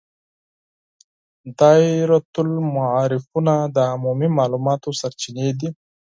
دایرة المعارفونه د عمومي معلوماتو سرچینې دي.